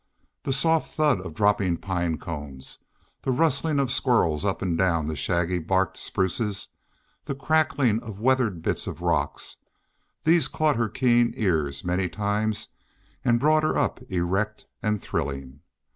The soft thud of dropping pine cones, the rustling of squirrels up and down the shaggy barked spruces, the cracking of weathered bits of rock, these caught her keen ears many times and brought her up erect and thrilling.